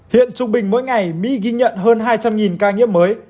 hiện trung bình mỗi ngày mỹ ghi nhận hơn hai trăm linh ca nhiễm mới